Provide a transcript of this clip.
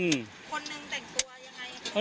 คนนึงแต่งตัวยังไง